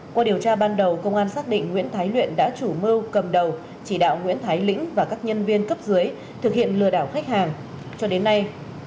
qua điều tra công an tp thanh hóa vừa bắt tạm giam hai đối tượng này